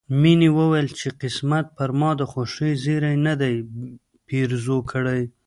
مينې وويل چې قسمت پر ما د خوښۍ زيری نه دی پيرزو کړی